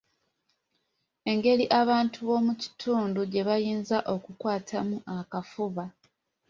Engeri abantu b’omu kitundu gye bayinza okukwatamu akafuba.